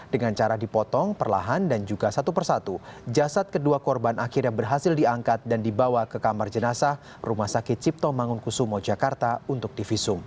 dengan cara dipotong perlahan dan juga satu persatu jasad kedua korban akhirnya berhasil diangkat dan dibawa ke kamar jenazah rumah sakit cipto mangunkusumo jakarta untuk divisum